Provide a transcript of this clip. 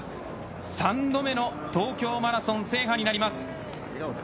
３度目の東京マラソン制覇です。